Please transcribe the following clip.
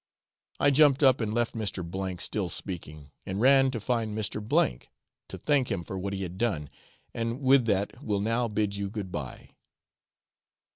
I jumped up and left Mr. O still speaking, and ran to find Mr. , to thank him for what he had done, and with that will now bid you good bye.